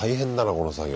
この作業。